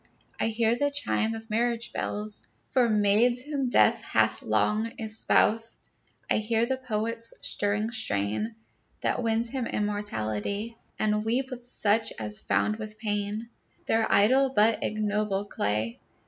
I hear the chime of marriage bells For maids whom death hath long espoused. I hear the poet's stirring strain, That wins him immortality, And weep with such as found with pain Their idol but ignoble clay.